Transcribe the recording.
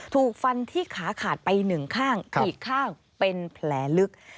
ถูกฟันที่ขาขาดไปหนึ่งข้างอีกข้างเป็นแผลลึก